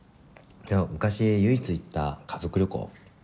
昔唯一行った家族旅行。